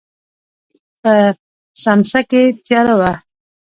په سمڅه کې تياره وه.